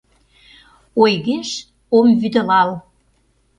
Ойгеш ом вÿдылал.